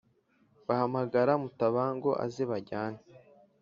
bahamagare mutabango aze bajyane